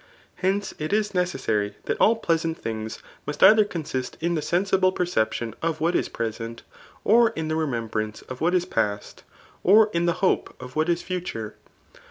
Hence, it is necessary that all pleasant thmgs must either consist in the sensQrfe ))erception of what is present, or in the remembrance af what is past, or in the hope of what is future.